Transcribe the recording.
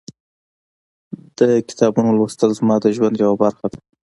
د کتابونو لوستل زما د ژوند یوه برخه ده.